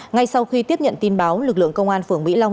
ngay sau khi tiếp nhận tin báo lực lượng công an phường mỹ long